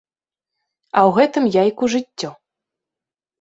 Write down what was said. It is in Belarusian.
А ў гэтым яйку жыццё.